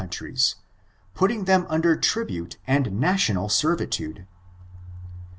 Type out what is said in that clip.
391 countries, putting them imder tribute and national servitude.